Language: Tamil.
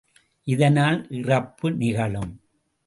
இதனால் இறப்பு நிகழும்.